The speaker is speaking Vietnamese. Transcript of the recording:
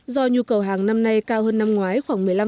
do nhu cầu hàng năm nay cao hơn năm ngoái khoảng một mươi năm